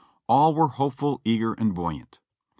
All were hopeful, eager and buoyant.